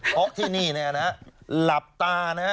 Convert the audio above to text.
เพราะที่นี่เนี่ยนะฮะหลับตานะฮะ